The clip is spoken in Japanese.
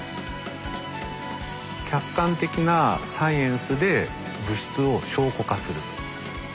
客観的なサイエンスで物質を証拠化する。